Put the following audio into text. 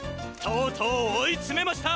とうとう追いつめました。